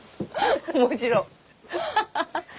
面白い。